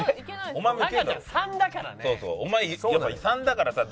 ３だからさ